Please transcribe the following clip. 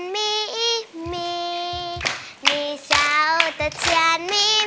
มีมีเช้าแต่เชียรมี